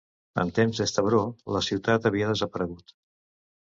En temps d'Estrabó la ciutat havia desaparegut.